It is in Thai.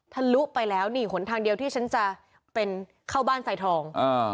ทะลุไปแล้วนี่หนทางเดียวที่ฉันจะเป็นเข้าบ้านไซทอง